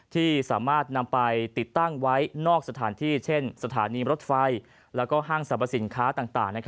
ที่สามารถนำไปติดตั้งไว้นอกสถานที่เช่นสถานีรถไฟแล้วก็ห้างสรรพสินค้าต่าง